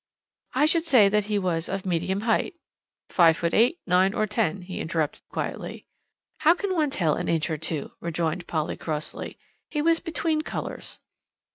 "I should say that he was of medium height " "Five foot eight, nine, or ten?" he interrupted quietly. "How can one tell to an inch or two?" rejoined Polly crossly. "He was between colours."